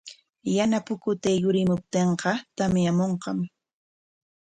Yana pukutay yurimuptinqa tamyamunqam.